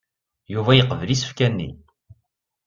Yuba yeqbel isefka-nni.